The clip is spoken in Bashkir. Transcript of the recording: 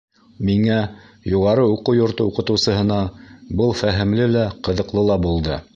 Миңә, юғары уҡыу йорто уҡытыусыһына, был фәһемле лә, ҡыҙыҡлы ла булды.